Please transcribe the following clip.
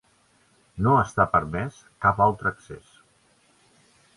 No està permès cap altre accés.